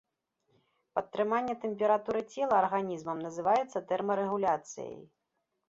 Падтрыманне тэмпературы цела арганізмам называецца тэрмарэгуляцыяй.